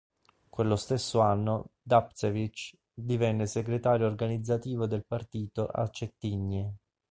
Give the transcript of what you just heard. Quello stesso anno, Dapčević divenne segretario organizzativo del Partito a Cettigne.